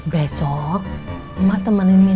besok mak temenin minah ya